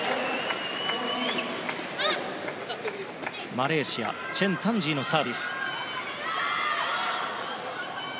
マレーシア、チェン・タンジーのサービス。